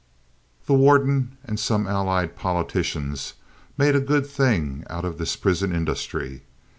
The warden and some allied politicians made a good thing out of this prison industry.